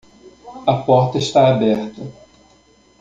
A porta está aberta